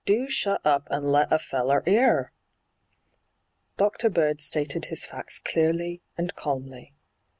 'Do shut up and let a feller 'earl' Dr. Bird stated his facts clearly and calmly.